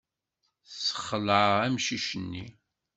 Tessexleɛ amcic-nni.